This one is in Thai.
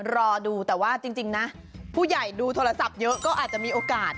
รอดูแต่ว่าจริงนะผู้ใหญ่ดูโทรศัพท์เยอะก็อาจจะมีโอกาส